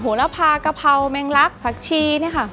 หัวละพากะเพราแมงลักษณ์ผักชีนี่ค่ะ